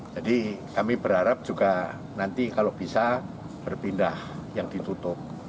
jadi kami berharap juga nanti kalau bisa berpindah yang ditutup